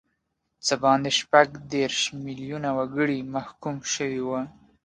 څه باندې شپږ دیرش میلیونه وګړي محکوم شوي وو.